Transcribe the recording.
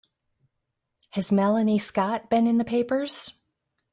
Has Melanie Scott been in the papers?